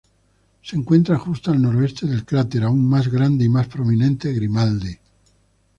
Se encuentra justo al noroeste del cráter aún más grande y más prominente Grimaldi.